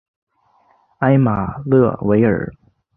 埃马勒维尔。